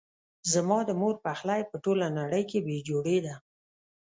زما د مور پخلی په ټوله نړۍ کې بي جوړي ده